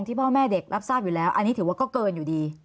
พ่อแม่เด็กรับทราบอยู่แล้วอันนี้ถือว่าก็เกินอยู่ดี